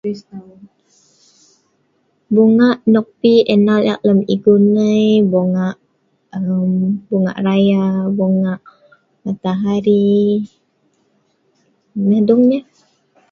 𝐵𝑜𝑢'𝑔𝑎 𝑛𝑜'𝑜𝑘 𝑝𝑒'𝑒𝑛𝑎𝑙 𝑒𝑒𝑘 𝑙𝑒𝑚 𝑖𝑔𝑢 𝑛𝑜𝑘 𝑛𝑎𝑖 , 𝑏𝑜𝑢'𝑔𝑎 𝑠𝑖𝑢 𝑟𝑎ℎ 𝑏𝑜𝑢'𝑔𝑎 𝑎𝑟 𝑡𝑎ℎ 𝑠𝑖𝑢.